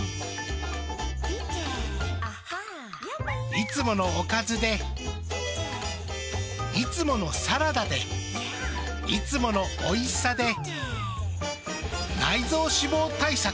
いつものおかずでいつものサラダでいつものおいしさで内臓脂肪対策。